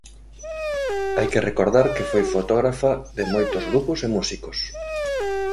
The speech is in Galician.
Hai que recordar que foi fotógrafa de moitos grupos e músicos.